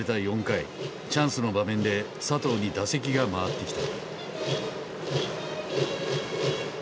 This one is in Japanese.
チャンスの場面で佐藤に打席が回ってきた。